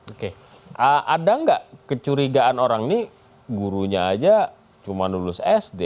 oke ada nggak kecurigaan orang ini gurunya aja cuma lulus sd